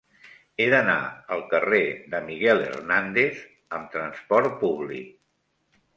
He d'anar al carrer de Miguel Hernández amb trasport públic.